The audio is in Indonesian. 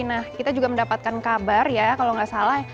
nah kita juga mendapatkan kabar ya kalau nggak salah